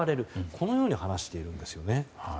このように話しているんですね。